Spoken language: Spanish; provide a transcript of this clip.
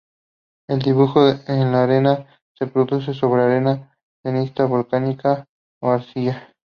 El "dibujo en la arena" se produce sobre arena, ceniza volcánica o arcilla.